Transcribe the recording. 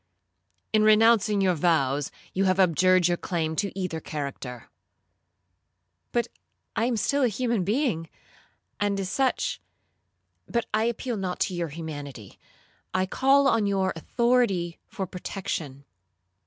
'—'In renouncing your vows, you have abjured your claim to either character.'—'But I am still a human being, and as such—But I appeal not to your humanity, I call on your authority for protection.